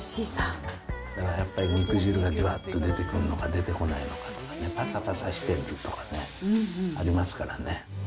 やっぱり肉汁がじゅわっと出てくるのか出てこないのかとかね、ぱさぱさしてるとかね、ありますからね。